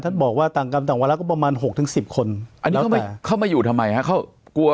ท่านบอกว่าต่างกรรมต่างวัลฮะก็ประมาณ๖๑๐คนอันนี้เข้ามาอยู่ทำไมฮะ